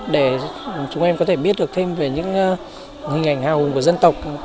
để chúng em có thể biết được thêm về những hình ảnh hào hùng của dân tộc